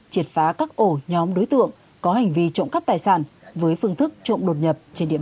triệt phá các ổ nhóm đối tượng có hành vi trộm cắp tài sản với phương thức trộm đột nhập trên địa